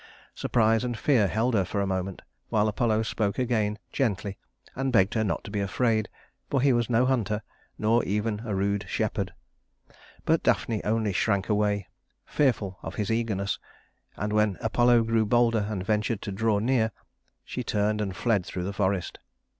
Surprise and fear held her for a moment while Apollo spoke again gently and begged her not to be afraid, for he was no hunter nor even a rude shepherd. But Daphne only shrank away, fearful of his eagerness; and when Apollo grew bolder and ventured to draw near, she turned and fled through the forest.